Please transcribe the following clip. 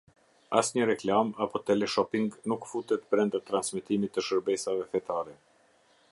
Asnjë reklamë apo teleshoping nuk futet brenda transmetimit të shërbesave fetare.